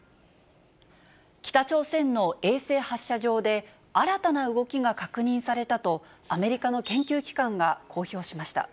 北朝鮮の衛星発射場で、新たな動きが確認されたと、アメリカの研究機関が公表しました。